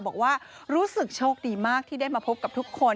บอกว่ารู้สึกโชคดีมากที่ได้มาพบกับทุกคน